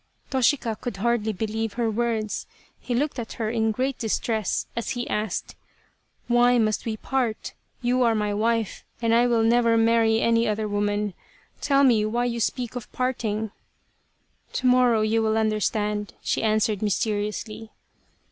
Toshika could hardly believe her words. He looked at her in great distress as he asked : i 129 The Lady of the Picture " Why must we part ? You are my wife and I will never marry any other woman. Tell me why you speak of parting ?"" To morrow you will understand," she answered mysteriously.